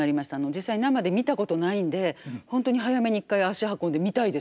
実際生で見たことないんでホントに早めに１回足運んで見たいですね。